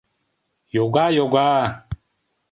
Йога, йога...